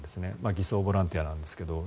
偽装ボランティアなんですが。